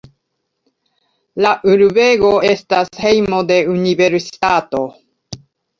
La urbego estas hejmo de universitato.